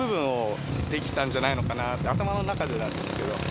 頭の中でなんですけど。